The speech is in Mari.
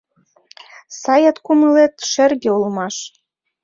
Саят кумылет шерге улмаш.